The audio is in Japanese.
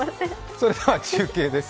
それでは中継です。